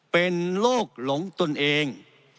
เป็นโรคหลงตนเอง